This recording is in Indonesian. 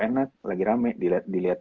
enak lagi rame diliat